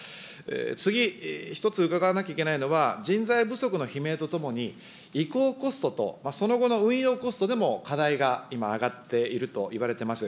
次、１つ伺わなきゃいけないのは、人材不足の悲鳴とともに、移行コストと、その後の運用コストでも課題が今、上がっているといわれています。